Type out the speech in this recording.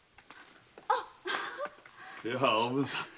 やあおぶんさん。